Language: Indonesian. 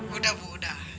udah bu udah